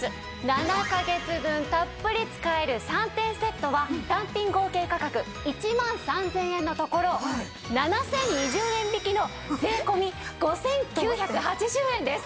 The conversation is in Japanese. ７カ月分たっぷり使える３点セットは単品合計価格１万３０００円のところ７０２０円引きの税込５９８０円です！